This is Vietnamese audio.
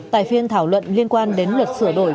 tại phiên thảo luận liên quan đến luật sửa đổi